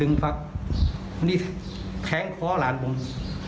ดึงฝักนี่แทงข้อหลานผม